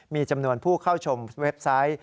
มีจำนวนผู้เข้าชมเว็บไซต์